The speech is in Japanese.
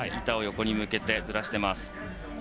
板を横に向けてずらしています。